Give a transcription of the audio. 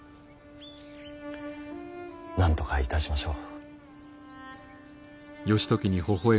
なんとかいたしましょう。